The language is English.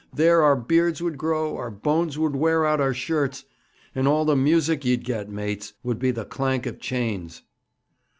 There our beards would grow, our bones would wear out our shirts, and all the music ye'd get, mates, would be the clank of chains.'